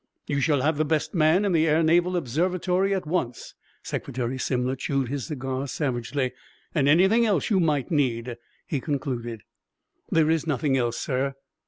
"You shall have the best man in the Air Naval Observatory at once." Secretary Simler chewed his cigar savagely. "And anything else you might need," he concluded. "There is nothing else, sir."